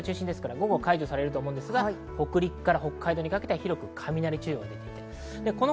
午後は解除されると思いますが、北陸、北海道にかけては広く雷注意報が出ています。